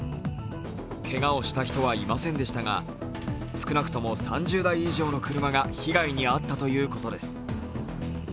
けがをした人はいませんでしたが、少なくとも３０台以上の車が被害に遭ったということです。